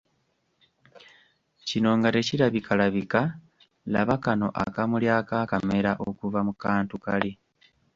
Kino nga tekirabikalabika laba kano akamuli akaakamera okuva mu kantu kali.